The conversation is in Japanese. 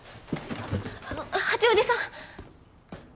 あの八王子さん。